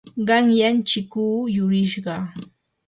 qanyan chikuu yurishqa.